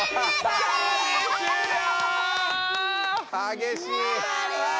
激しい！